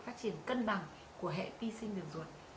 phát triển cân bằng của hệ vi sinh đường ruột